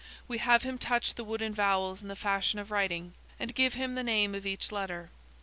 We have him touch the wooden vowels in the fashion of writing, and give him the name of each letter.